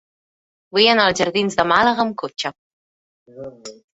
Vull anar als jardins de Màlaga amb cotxe.